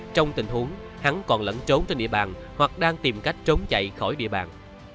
trong tình huống hắn còn lẫn trốn trên địa bàn hoặc đang tìm cách trốn chạy khỏi địa bàn